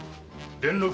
伝六。